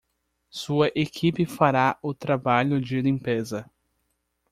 Sua equipe fará o trabalho de limpeza.